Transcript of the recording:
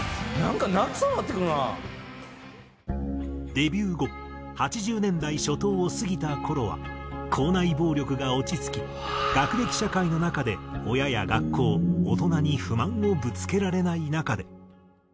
デビュー後８０年代初頭を過ぎた頃は校内暴力が落ち着き学歴社会の中で親や学校大人に不満をぶつけられない中で。